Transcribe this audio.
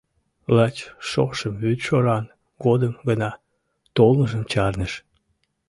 Лач шошым вӱдшоран годым гына толмыжым чарныш.